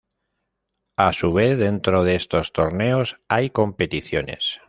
A su vez, dentro de estos torneos hay competiciones.